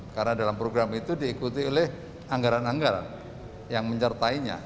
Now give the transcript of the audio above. karena dalam program itu diikuti oleh anggaran anggaran yang mencertainya